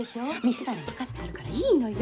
店なら任せてあるからいいのよ！